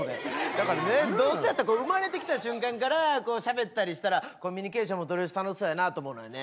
だからねどうせやったら生まれてきた瞬間からしゃべったりしたらコミュニケーションも取れるし楽しそうやなと思うのよね。